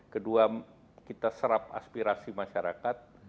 kedua kita serap aspirasi masyarakat